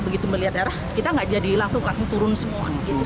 begitu melihat darah kita nggak jadi langsung turun semua